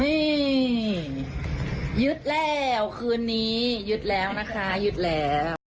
นี่ยึดแล้วคืนนี้ยึดแล้วนะคะยึดแล้ว